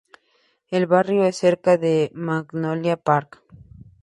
El barrio es cerca de Magnolia Park.